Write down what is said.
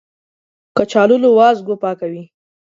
کچالو له وازګو پاکوي